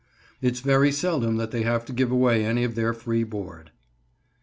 It's very seldom they have to give away any of their free board.